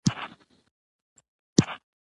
زه د دین اصولو ته پابند یم.